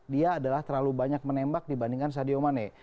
dia adalah terlalu banyak menembak dibandingkan sadio mane